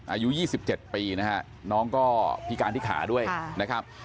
อายุ๒๗ปีนะฮะน้องก็พิการที่ขาด้วยนะครับ